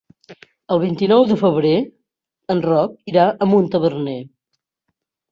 El vint-i-nou de febrer en Roc irà a Montaverner.